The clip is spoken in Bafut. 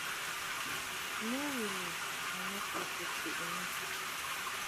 Mu yìli à nɨ kù tɨ̀ sìʼì nû.